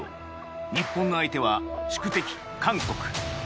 日本の相手は宿敵、韓国。